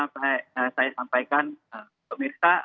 baik bisa saya sampaikan pemirsa